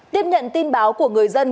tiếp nhận tin báo của người dân